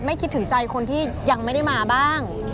คิดถึงใจคนที่ยังไม่ได้มาบ้าง